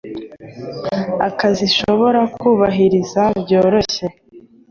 akazi shobora kubahiriza byoroshye